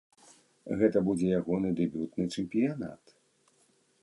Гэта будзе ягоны дэбютны чэмпіянат.